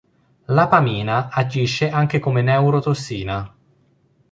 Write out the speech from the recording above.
L'apamina agisce anche come neurotossina.